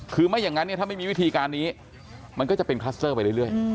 คือไม่อย่างนั้นเนี่ยถ้าไม่มีวิธีการนี้มันก็จะเป็นคลัสเตอร์ไปเรื่อย